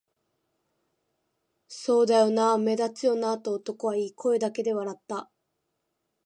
「そうだよな、目立つよな」と男は言い、声だけで笑った